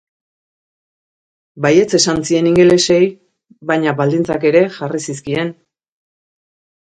Baietz esan zien ingelesei, baina baldintzak ere jarri zizkien.